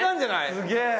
すげえ！